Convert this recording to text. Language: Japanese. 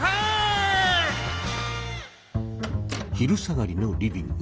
昼下がりのリビング。